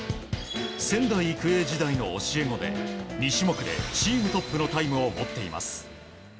仙台育英時代の教え子で２種目でチームトップのタイムを持っています。